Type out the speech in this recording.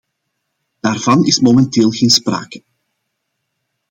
Daarvan is momenteel geen sprake.